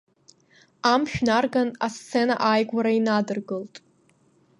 Амшә нарган асцена ааигәара инадыргылт.